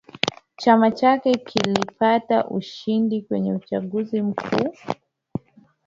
Chama chake kilipata ushindi kwenye uchaguzi mkuu